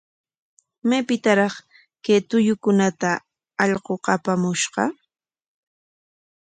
¿Maypikraq kay tullukunata allquqa apamushqa?